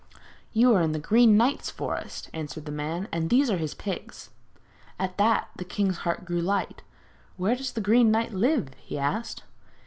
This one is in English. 'You are in the Green Knight's forest,' answered the man, 'and these are his pigs.' At that the king's heart grew light. 'Where does the Green Knight live?' he asked.